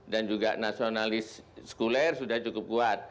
dan juga nasionalis skuler sudah cukup kuat